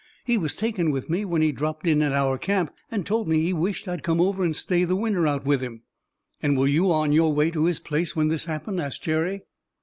He was taken with me when he dropped in at our camp, and told me he wisht I'd come over and stay the winter out with him." "And were you on your way to his place when this happened?" asked Jerry.